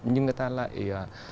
nhưng người ta lại